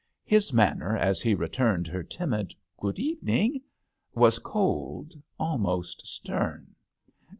His man ner, as he returned her timid "Good evening," was cold, al most stern.